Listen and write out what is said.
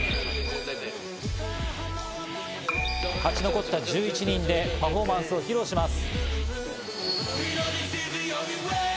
勝ち残った１１人でパフォーマンスを披露します。